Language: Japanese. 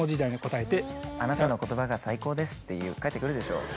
あなたの言葉が最高です」って返ってくるでしょう。